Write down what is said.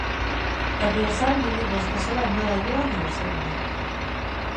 Egia esan, niri bost axola nora joan edo zer egin!